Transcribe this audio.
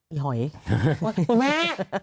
อีหอยคุณแม่